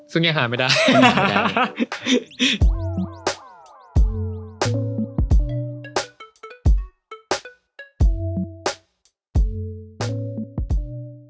ซึ่งยังหาไม่ได้